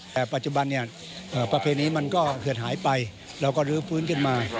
แต่ปัจจุบันเนี่ยประเพณีมันก็เกิดหายไปเราก็ลื้อฟื้นขึ้นมา